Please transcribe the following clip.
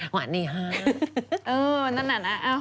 หวานนี่ฮะเออนั่นเอ้า